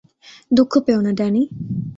দুঃখ পেয়ো না, ড্যানি।